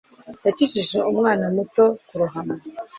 Yakijije umwana muto kurohama.